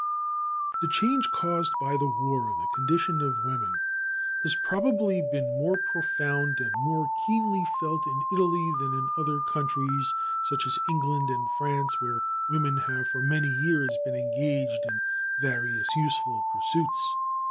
The change caused by the war in the condition of women has probably been more profound and more keenly felt in Italy than in other countries, such as England and France, where women have for many years been engaged in various useful pursuits.